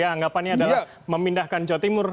anggapannya adalah memindahkan jawa timur